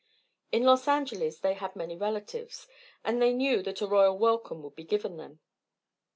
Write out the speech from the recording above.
In Los Angeles they had many relatives, and they knew that a royal welcome would be given them.